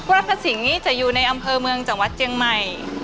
พระสิงห์นี้จะอยู่ในอำเภอเมืองจังหวัดเจียงใหม่